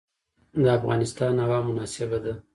د افغانستان هوا مناسبه ده.